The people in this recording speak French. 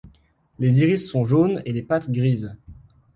Les iris sont jaunes et les pattes grises.